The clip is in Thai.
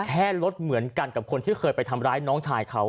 แค่รถเหมือนกันกับคนที่เคยไปทำร้ายน้องชายเขา